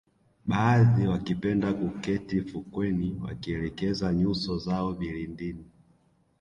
Baadhi wakipenda kuketi fukweni wakielekeza nyuso zao vilindini